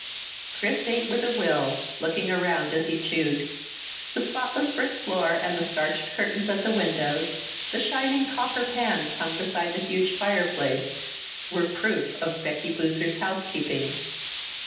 Chris ate with a will, looking around as he chewed. The spotless brick floor and the starched curtains at the windows, the shining copper pans hung beside the huge fireplace, were proof of Becky Boozer's housekeeping.